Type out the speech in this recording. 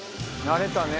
慣れたね。